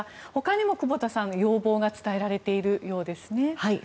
ほかにも久保田さん、要望が伝えられているようですね。